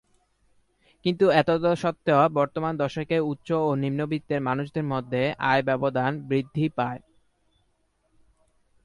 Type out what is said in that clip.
কিন্তু এতদসত্ত্বেও বর্তমান দশকে উচ্চ ও নিম্নবিত্তের মানুষের মধ্যে আয় ব্যবধান বৃদ্ধি পায়।